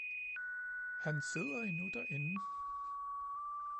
Han sidder endnu derinde!